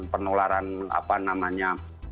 pengeluaran apa namanya